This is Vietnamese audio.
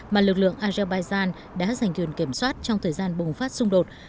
mà lực lượng azerbaijan đã giành thuyền kiểm soát trong thời gian bùng phát xung đột